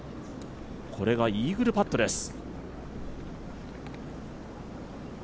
これがイーグルパットです。